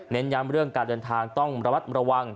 ย้ำเรื่องการเดินทางต้องระมัดระวัง